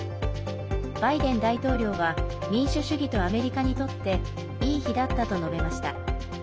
バイデン大統領は民主主義とアメリカにとっていい日だったと述べました。